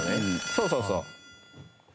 そうそうそう。